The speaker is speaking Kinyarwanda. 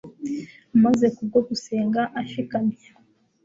maze kubwo gusenga ashikamye,